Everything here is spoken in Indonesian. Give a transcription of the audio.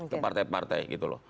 ke partai partai gitu loh